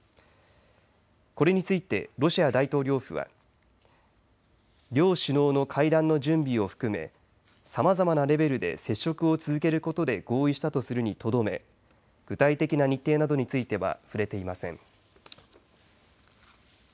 これについてロシア大統領府は両首脳の会談の準備を含めさまざまなレベルで接触を続けることで合意したとするにとどめ具体的な日程などについては触れていません。